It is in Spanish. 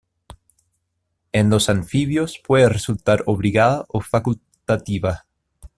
En los anfibios puede resultar obligada o facultativa.